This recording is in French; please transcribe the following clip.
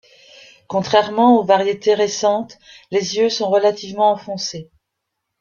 Contrairement aux variétés récentes, les yeux sont relativement enfoncés.